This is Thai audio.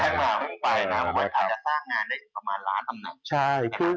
นั่นก็เวลาขายละซากงานดีกว่าประมาณล้าน